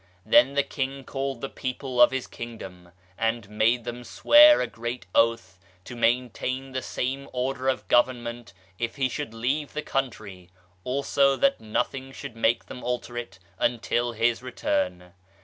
Then the King called the people of his kingdom, and made them swear a great oath to maintain the same order of govern ment if he should leave the country, also that nothing should make them alter it until his return.